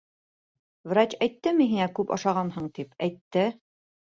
Врач әйттеме һиңә күп ашағанһың тип, әйтте!